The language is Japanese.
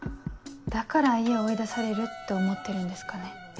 だから家を追い出されるって思ってるんですかね。